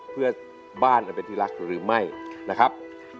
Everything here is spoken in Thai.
เพื่อบ้านอันเป็นที่รักหรือไม่นะครับ